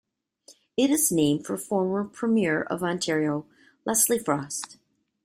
It is named for former Premier of Ontario Leslie Frost.